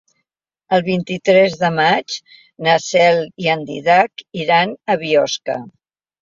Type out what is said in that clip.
El vint-i-tres de maig na Cel i en Dídac iran a Biosca.